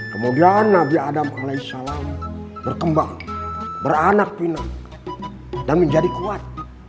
kemudian nabi adam qalai salam berkembang beranak pinang dan menjadi kuat